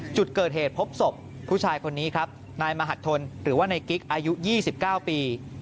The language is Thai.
จุดเกิดเหตุพบศพผู้ชายคนนี้ครับนายมหัดทนหรือว่านายกิ๊กอายุ๒๙ปี